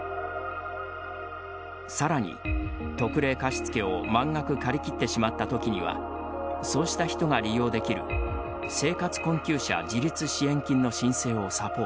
さらに、特例貸付を満額借り切ってしまったときにはそうした人が利用できる「生活困窮者自立支援金」の申請をサポート。